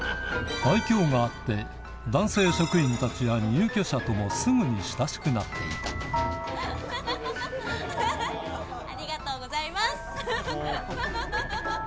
愛嬌があって男性職員たちや入居者ともすぐに親しくなっていたありがとうございます！ハハハ！